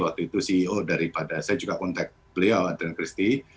waktu itu ceo daripada saya juga kontak beliau adrian christie